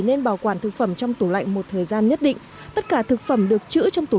nên bảo quản thực phẩm trong tủ lạnh một thời gian nhất định tất cả thực phẩm được chữa trong tủ